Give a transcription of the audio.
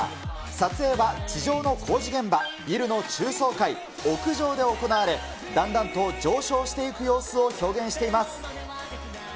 撮影は地上の工事現場、ビルの中層階、屋上で行われ、だんだんと上昇していく様子を表現しています。